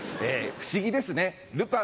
不思議ですねルパ